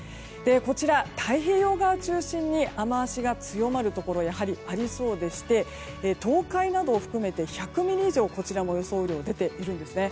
こちら、太平洋側を中心に雨脚が強まるところがやはり、ありそうでして東海などを含めて１００ミリ以上こちらも予想雨量が出ているんですね。